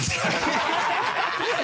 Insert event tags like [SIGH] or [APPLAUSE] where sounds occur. ハハハ [LAUGHS]